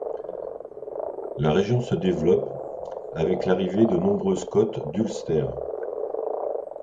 La région se développe, avec l'arrivée de nombreux Scots d'Ulster.